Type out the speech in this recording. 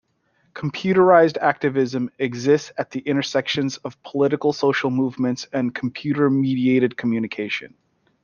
Computerized activism exists at the intersections of politico-social movements and computer-mediated communication.